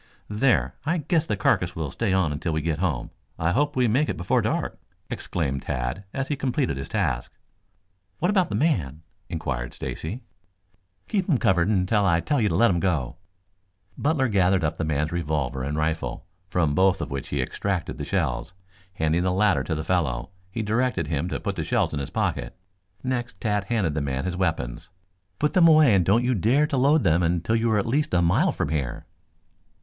"There, I guess the carcass will stay on until we get home. I hope we make it before dark," exclaimed Tad as he completed his task. "What about the man?" inquired Stacy. "Keep him covered until I tell you to let go." Butler gathered up the man's revolver and rifle, from both of which he extracted the shells. Handing the latter to the fellow, he directed him to put the shells in his pocket. Next Tad handed the man his weapons. "Put them away and don't you dare to load them until you are at least a mile from here."